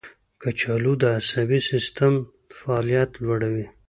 کچالو د عصبي سیستم فعالیت لوړوي.